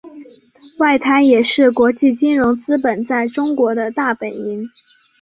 外滩也是国际金融资本在中国的大本营。